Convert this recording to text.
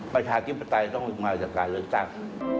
ประชาธิปไตยต้องมาจากการเลือกตั้ง